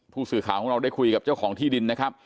ผู้สื่อข่าวของเราได้คุยกับเจ้าของที่ดินนะครับ